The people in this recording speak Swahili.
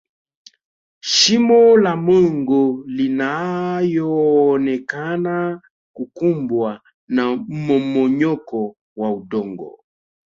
shimo la mungu linayoonekana kukumbwa na mmomonyoko wa udongo